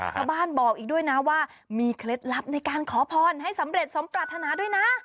ชาวบ้านบอกอีกด้วยนะว่ามีเคล็ดลับในการขอพรให้สำเร็จสมปรารถนาด้วยนะ